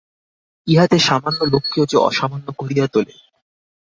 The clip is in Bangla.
ইহাতে সামান্য লোককেও যে অসামান্য করিয়া তোলে।